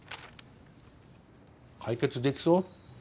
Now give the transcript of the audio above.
解決できそう？